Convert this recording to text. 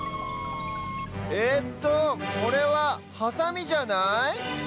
えっとこれはハサミじゃない？